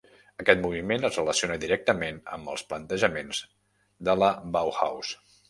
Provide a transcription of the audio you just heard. Aquest moviment es relaciona directament amb els plantejaments de la Bauhaus.